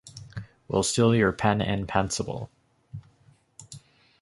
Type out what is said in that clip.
We'll steal your pen-and-pencible.